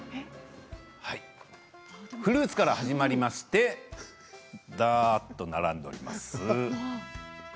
フルーツから始まりましてだーっと並んでおります。